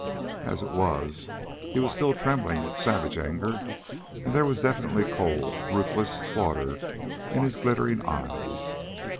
As it was, he was still trembling with savage anger, and there was definitely cold, ruthless slaughter in his glittering eyes.